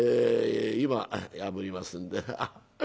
今あぶりますんで。